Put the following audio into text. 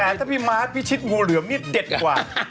แต่ถ้าพี่มาร์ทพิชิตงูเหลือมนี่เด็ดกว่า